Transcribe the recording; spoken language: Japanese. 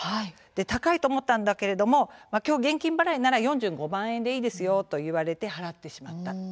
高いと思ったんだけれどもきょう、現金払いなら４５万円でいいですよと言われて払ってしまった。